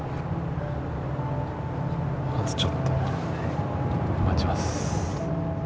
あとちょっと待ちます。